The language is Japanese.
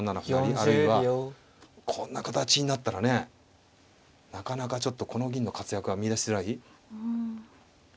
あるいはこんな形になったらねなかなかちょっとこの銀の活躍が見いだしづらい。